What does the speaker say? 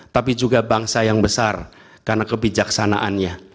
tapi juga bangsa yang besar karena kebijaksanaannya